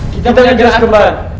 kita punya jenis kebal